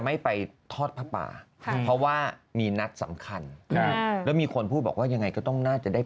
เหี่ยวเหี่ยวหน่อยในช่วงเวลาไทย